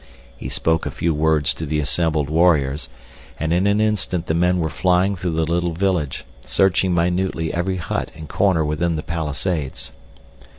He spoke a few words to the assembled warriors, and in an instant the men were flying through the little village searching minutely every hut and corner within the palisades.